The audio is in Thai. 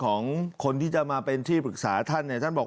ของคนที่จะมาเป็นที่ปรึกษาท่านเนี่ยท่านบอก